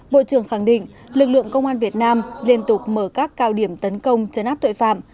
bộ trưởng khẳng định lực lượng công an việt nam liên tục mở các cao điểm tấn công chấn áp tội phạm